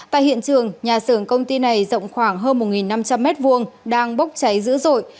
tại hiện trường nhà xưởng công ty này rộng khoảng hơn một năm trăm linh m hai đang bốc cháy dữ dội